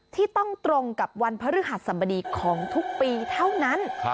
ที่ต้องตรงกับวันพฤหัสสัมบดีของทุกปีเท่านั้น